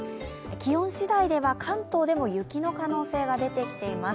気温次第では関東でも雪の可能性が出てきています。